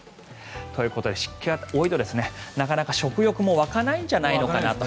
ということで湿気が多いとなかなか食欲も湧かないんじゃないかなと。